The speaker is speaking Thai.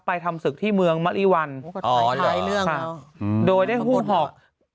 ไปทำศึกที่เมืองมริวัณโดยได้ฮุ่งหอก